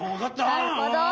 なるほど。